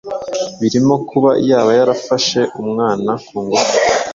birimo kuba yaba yarafashe umwana ku ngufu